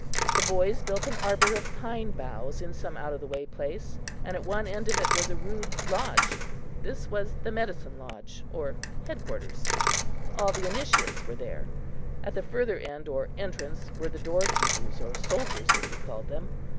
The boys built an arbor of pine boughs in some out of the way place and at one end of it was a rude lodge. This was the medicine lodge or headquarters. All the initiates were there. At the further end or entrance were the door keepers or soldiers, as we called them.